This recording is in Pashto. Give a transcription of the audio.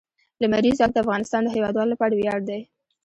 لمریز ځواک د افغانستان د هیوادوالو لپاره ویاړ دی.